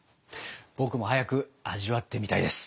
僕も早く味わってみたいです。